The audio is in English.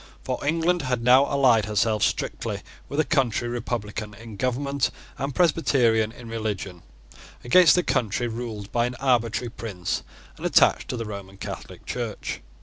For England had now allied herself strictly with a country republican in government and Presbyterian in religion, against a country ruled by an arbitrary prince and attached to the Roman Catholic Church.